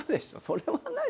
それはない。